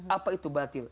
apa itu batil